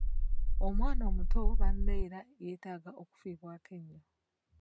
Omwana omuto baneera yeetaaga okufiibwako ennyo.